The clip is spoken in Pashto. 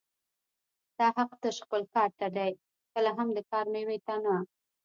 ستا حق تش خپل کار ته دی کله هم د کار مېوې ته نه